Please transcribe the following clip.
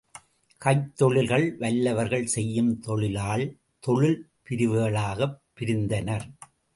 கைத்தொழில் வல்லவர்கள் செய்யும் தொழிலால், தொழிற் பிரிவுகளாகப் பிரிந்தனர்.